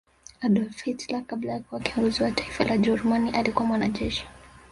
Adolf Hilter kabla ya kuwa kiongozi Wa Taifa la ujerumani alikuwa mwanajeshi